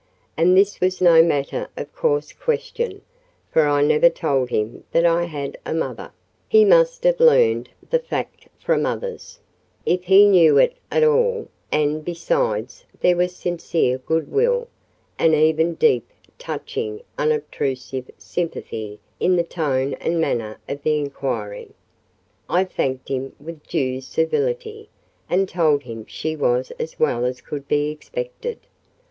And this was no matter of course question, for I never told him that I had a mother: he must have learned the fact from others, if he knew it at all; and, besides, there was sincere goodwill, and even deep, touching, unobtrusive sympathy in the tone and manner of the inquiry. I thanked him with due civility, and told him she was as well as could be expected.